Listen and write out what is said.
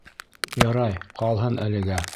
Ярай, ҡалһын әлегә!